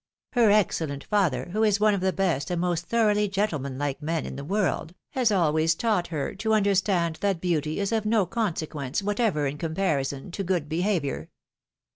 Her excellent father, ■who is one of the best and most thoroughly gentleman like men in the world, has always taught her to understand that beauty is of no con sequence whatever in comparison to good behaviour."